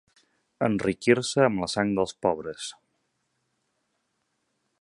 Enriquir-se amb la sang dels pobres.